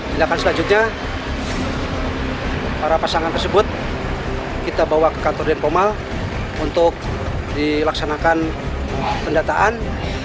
tindakan selanjutnya para pasangan tersebut kita bawa ke kantor denpomal untuk dilaksanakan pendataan